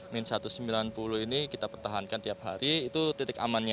min satu ratus sembilan puluh ini kita pertahankan tiap hari itu titik amannya